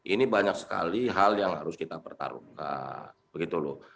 ini banyak sekali hal yang harus kita pertarungkan begitu loh